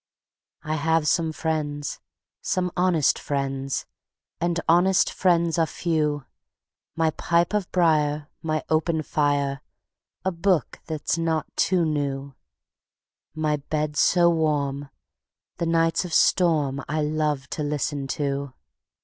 I have some friends, some honest friends, And honest friends are few; My pipe of briar, my open fire, A book that's not too new; My bed so warm, the nights of storm I love to listen to.